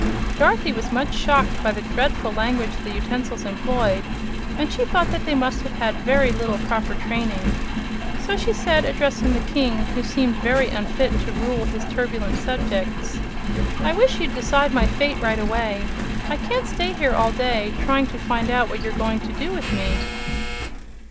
Dorothy was much shocked by the dreadful language the utensils employed, and she thought that they must have had very little proper training. So she said, addressing the King, who seemed very unfit to rule his turbulent subjects: "I wish you'd decide my fate right away. I can't stay here all day, trying to find out what you're going to do with me."